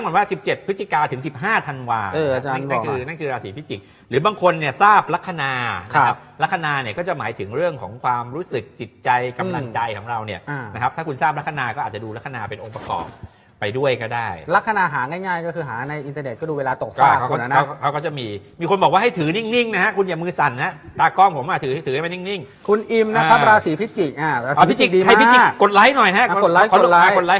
คุณก็จะได้กำแหน่งใหม่ที่ดีขึ้นนะครับคุณก็จะได้กำแหน่งใหม่ที่ดีขึ้นนะครับคุณก็จะได้กำแหน่งใหม่ที่ดีขึ้นนะครับคุณก็จะได้กำแหน่งใหม่ที่ดีขึ้นนะครับคุณก็จะได้กำแหน่งใหม่ที่ดีขึ้นนะครับคุณก็จะได้กำแหน่งใหม่ที่ดีขึ้นนะครับคุณก็จะได้กำแหน่งใหม่ที่ดีขึ้นนะครับคุณก็จะได้กำแหน่งใหม่ท